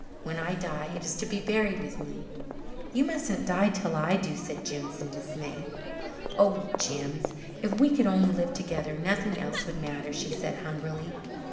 When I die it is to be buried with me." "You mustn't die till I do," said Jims in dismay. "Oh, Jims, if we could only live together nothing else would matter," she said hungrily.